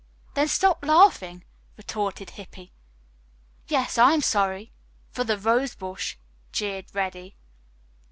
"Then stop laughing," retorted Hippy. "Yes, I'm sorry for the rosebush," jeered Reddy.